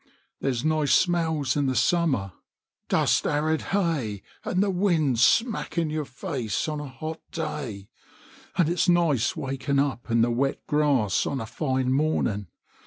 There's nice smells in the summer, dust arid hay and the wind smack in your face on a hot day; and it's nice waking up in the wet grass on a fine morning.